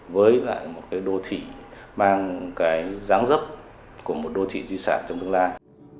với đô thị mang ráng rấp của một đô thị di sản trong tương lai